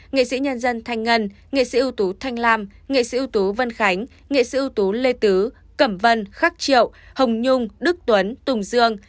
nghệ sĩ nhân dân thanh ngân nghệ sĩ ưu tú thanh lam nghệ sĩ ưu tú vân khánh nghệ sĩ ưu tú lê tứ cẩm vân khắc triệu hồng nhung đức tuấn tùng dương